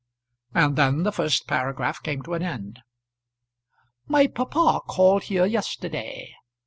And then the first paragraph came to an end. My papa called here yesterday.